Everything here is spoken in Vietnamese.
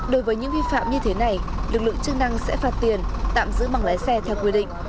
đối với những vi phạm như thế này lực lượng chức năng sẽ phạt tiền tạm giữ bằng lái xe theo quy định